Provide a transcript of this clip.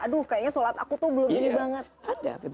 aduh kayaknya sholat aku tuh belum ini banget